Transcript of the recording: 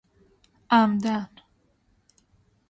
عمدا